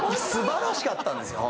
すばらしかったんです。